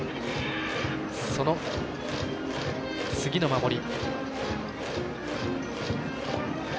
その次の守り。